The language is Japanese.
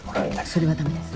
それは駄目です。